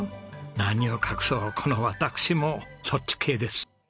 何を隠そうこの私もそっち系です。